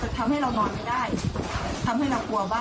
หนูไม่รู้ของใคร